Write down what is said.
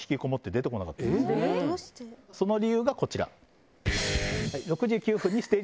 その理由がこちら。